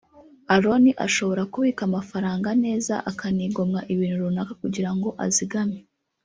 Aaron ashobora kubika amafaranga neza akanigomwa ibintu runaka kugira ngo azigame